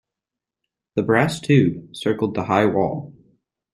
The brass tube circled the high wall.